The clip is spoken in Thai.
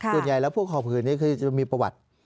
ส่วนใหญ่แล้วพวกเขาผืนนี้คือจะมีประวัติ